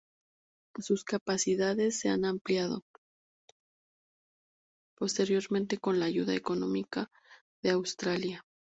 Sus capacidades se han ampliado posteriormente con la ayuda económica de Australia.